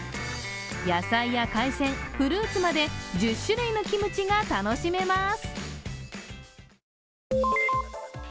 野菜や海鮮、フルーツまで１０種類のキムチが楽しめます。